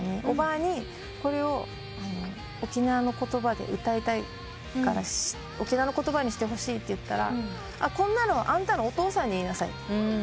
おばあにこれを沖縄の言葉で歌いたいから沖縄の言葉にしてほしいって言ったらこんなのあんたのお父さんに言いなさい。